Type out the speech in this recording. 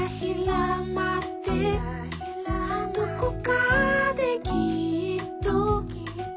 「どこかできっと」